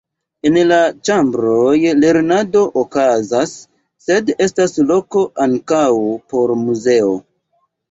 En la ĉambroj lernado okazas, sed estas loko ankaŭ por muzeo.